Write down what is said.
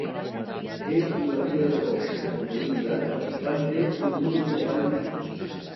Ell i la filla de Groucho, Melinda, van fer un número de ball junts.